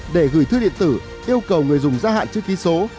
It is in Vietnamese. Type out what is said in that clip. để gửi thư điện tử yêu cầu người dùng gia hạn chữ ký số